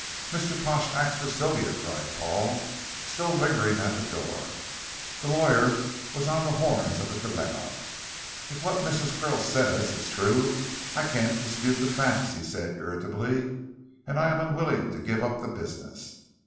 "Mr. Pash acts for Sylvia," cried Paul, still lingering at the door. The lawyer was on the horns of a dilemma. "If what Mrs. Krill says is true I can't dispute the facts," he said irritably, "and I am unwilling to give up the business.